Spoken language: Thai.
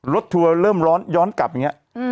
ทัวร์เริ่มร้อนย้อนกลับอย่างนี้